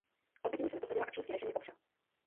Obvinění se nepotvrdila a čínský režim je popřel.